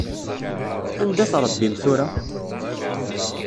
Anda-t Ṛebbi-m tura?